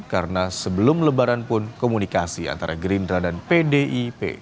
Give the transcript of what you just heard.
karena sebelum lebaran pun komunikasi antara gerindra dan pdip